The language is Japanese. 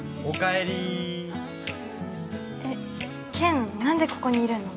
えっ健何でここにいるの？